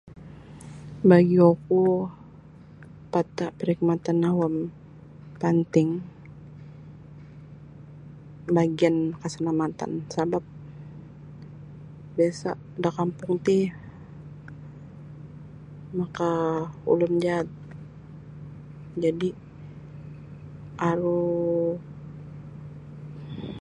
Bagi oku pataa parkhidmatan awam panting bagian kasalamatan sabab biasa da kampung ti maka ulun jaat jadi aru.